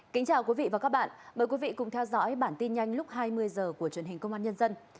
kính chào quý vị và các bạn mời quý vị cùng theo dõi bản tin nhanh lúc hai mươi h của truyền hình công an nhân dân